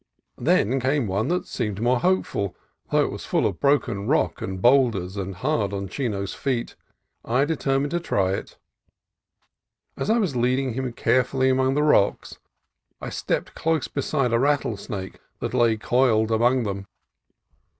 Then came one that seemed more hopeful, and though it was full of broken rock and boulders, and hard on Chino's feet, I determined to try it. As I was leading him care fully among the rocks I stepped close beside a rattle snake that lay coiled among them.